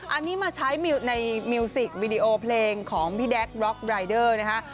อันนี้มาใช้ในมิวสิกวิดีโอเพลงของพี่แด๊กบล็อกรายเดอร์นะคะ